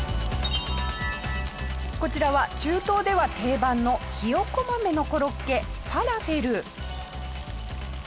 こちらは中東では定番のひよこ豆のコロッケファラフェル。